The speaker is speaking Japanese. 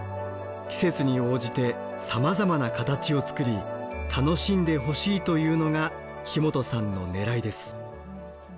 季節に応じてさまざまな形を作り楽しんでほしいというのが木本さんのねらいです。